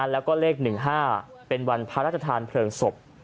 แล้วก็เลข๑๕เป็นวันพระราชทานเพลิงศพ